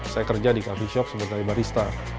saya kerja di coffee shop seperti barista